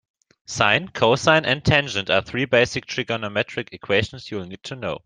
Sine, cosine and tangent are three basic trigonometric equations you'll need to know.